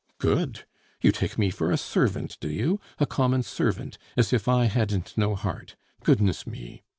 "Good. You take me for a servant, do you, a common servant, as if I hadn't no heart! Goodness me!